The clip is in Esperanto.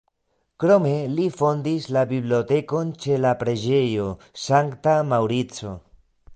Krome li fondis la bibliotekon ĉe la preĝejo Sankta Maŭrico.